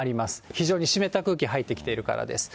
非常に湿った空気入ってきているからです。